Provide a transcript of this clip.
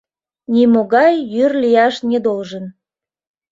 Нимогай йӱр лияш «не должен».